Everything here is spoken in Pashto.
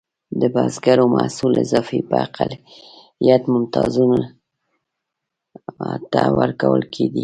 د بزګرو محصول اضافي به اقلیت ممتازو ته ورکول کېده.